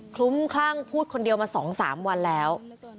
ลุ้มคลั่งพูดคนเดียวมา๒๓วันแล้ว